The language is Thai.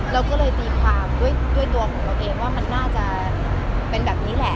เราก็เลยตีความด้วยตัวของเราเองว่ามันน่าจะเป็นแบบนี้แหละ